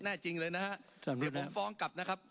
ท่านบุธเนี้ย